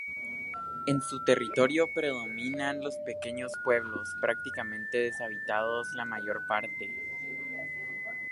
En su territorio predominan los pequeños pueblos, prácticamente deshabitados la mayor parte.